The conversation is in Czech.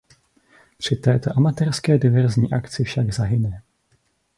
Při této amatérské diverzní akci však zahyne.